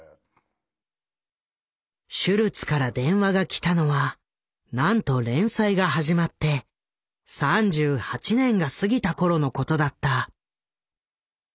シュルツから電話が来たのはなんと連載が始まって３８年が過ぎた頃のことだった。